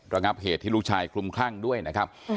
ระงับเหตุที่ลูกชายคลุมคลั่งด้วยนะครับ